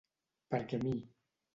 Per què a mi.